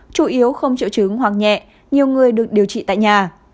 chủ yếu không triệu chứng hoặc nhẹ nhiều người được điều trị tại nhà